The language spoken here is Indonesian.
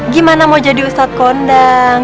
gimana mau jadi ustadz kondang